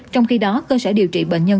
trong khi đó cơ sở điều trị bệnh nhân